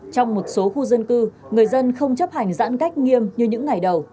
trong một số khu dân cư người dân không chấp hành giãn cách nghiêm như những ngày đầu